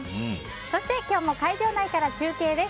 そして今日も会場内から中継です。